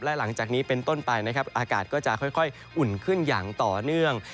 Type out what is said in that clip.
และหลังจากนี้เป็นต้นไปนะครับอากาศก็จะค่อยอุ่นขึ้นอย่างต่อเนื่อง